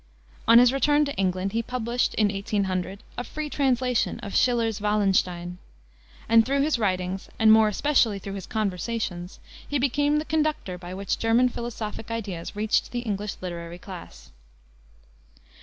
On his return to England, he published, in 1800, a free translation of Schiller's Wallenstein, and through his writings, and more especially through his conversations, he became the conductor by which German philosophic ideas reached the English literary class.